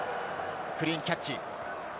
クリーンキャッチ。